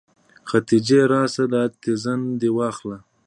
خديجې راسه دا تيزن دې واخله.